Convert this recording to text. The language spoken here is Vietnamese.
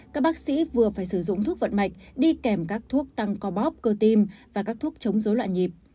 các bác sĩ vừa phải sử dụng thuốc vận mạch đi kèm các thuốc tăng co bóp cơ tim và các thuốc chống dối loạn nhịp